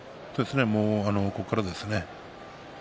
ここからですね。